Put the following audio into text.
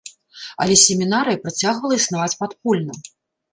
Але семінарыя працягвала існаваць падпольна.